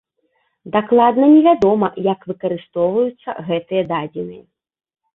Дакладна не вядома, як выкарыстоўваюцца гэтыя дадзеныя.